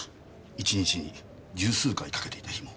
１日に十数回かけていた日も。